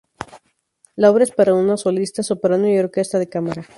La obra es para una solista soprano y orquesta de cámara.